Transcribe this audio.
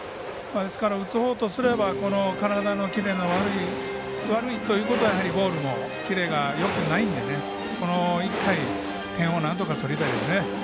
ですから打つほうとすれば体のキレの悪い悪いということはやはりボールもキレがよくないんで、この１回点をなんとかとりたいですね。